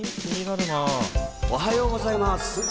おはようございます。